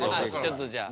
ちょっとじゃあ。